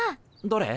どれ？